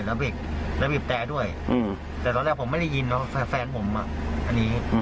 แล้วบีบแต่ด้วยแต่ตอนแรกผมไม่ได้ยินว่าแฟนผมอ่ะอันนี้